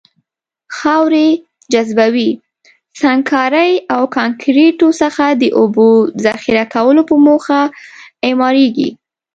خاورې، جاذبوي سنګکارۍ او کانکریتو څخه د اوبو د ذخیره کولو په موخه اعماريږي.